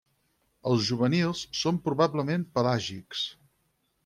Els juvenils són probablement pelàgics.